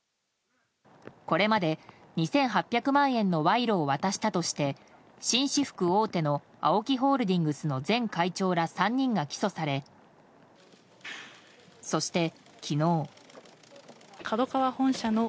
これまで２８００万円の賄賂を渡したとして紳士服大手のＡＯＫＩホールディングスの前会長ら３人が起訴されそして、昨日。